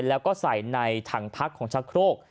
แล้วก็ใส่ในถังพักของชะโครก